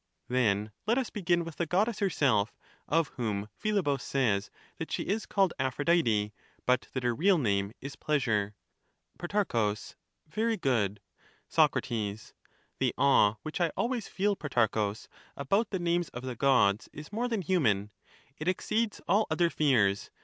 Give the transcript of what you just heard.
Then let us begin with the goddess herself, of whom Philebus says that she is called Aphroditejj but that her real name is Pleasure, —" Pro. Very good. Soc. The awe which I always feel, Protarchus, about the names of the gods is more than human—it exceeds all other fears.